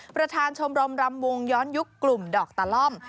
ประธานชมรมรำวงย้อนยุคกลุ่มดอกตะล่อม